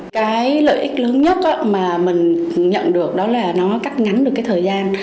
cái lợi ích lớn nhất mà mình nhận được đó là nó cắt ngắn được cái thời gian